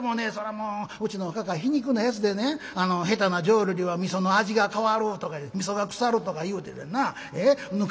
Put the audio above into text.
もううちのかか皮肉なやつでね下手な浄瑠璃は味噌の味が変わるとか味噌が腐るとか言うてでんなぬか